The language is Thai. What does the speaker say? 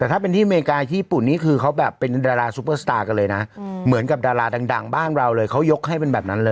แต่ถ้าเป็นที่อเมริกาญี่ปุ่นนี่คือเขาแบบเป็นดาราซุปเปอร์สตาร์กันเลยนะเหมือนกับดาราดังบ้านเราเลยเขายกให้เป็นแบบนั้นเลย